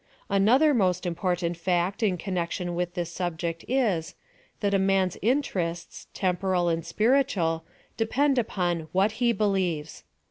Another most important fact in connection witli this subject is, that a man's interests, temporal and spiritual, depend upon what lie believes.